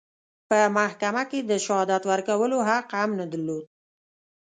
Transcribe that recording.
په محکمه کې د شهادت ورکولو حق هم نه درلود.